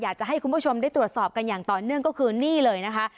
อยากจะให้คุณผู้ชมได้ตรวจสอบกันอย่างต่อเนื่องก็คือนี่เลยนะคะ